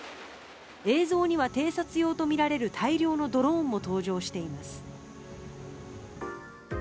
映像には偵察用とみられる大量のドローンも登場しています。